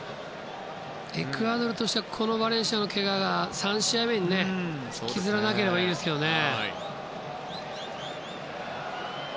エクアドルとしてはこのバレンシアのけがが３試合目に引きずらないといいですけどね。